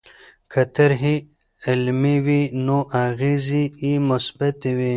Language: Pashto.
که طرحې علمي وي نو اغېزې یې مثبتې وي.